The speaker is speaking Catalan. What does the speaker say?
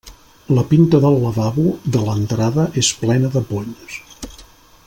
La pinta del lavabo de l'entrada és plena de polls.